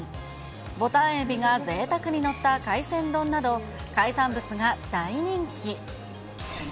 ボタンエビがぜいたくに載った海鮮丼など、海産物が大人気。